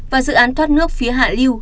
và dự án thoát nước phía hạ liêu